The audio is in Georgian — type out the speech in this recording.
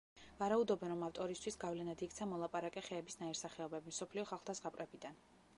ვარაუდობენ, რომ ავტორისთვის გავლენად იქცა მოლაპარაკე ხეების ნაირსახეობები, მსოფლიო ხალხთა ზღაპრებიდან.